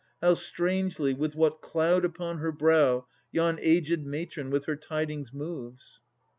How strangely, with what cloud upon her brow, Yon aged matron with her tidings moves!